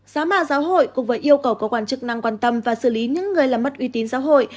giáo mà giáo hội cùng với yêu cầu của quản chức năng quan tâm và xử lý những người làm mất uy tín giáo hội